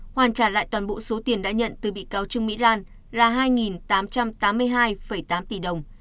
hoàn trả lại toàn bộ số tiền đã nhận từ bị cáo trương mỹ lan là hai tám trăm tám mươi hai tám tỷ đồng